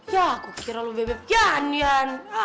ya aku kira lu bebe pian